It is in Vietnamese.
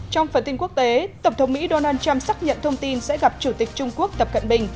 trong phần tin quốc tế tổng thống mỹ donald trump xác nhận thông tin sẽ gặp chủ tịch trung quốc tập cận bình